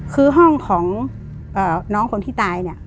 คือห้องของน้องคนที่ตาย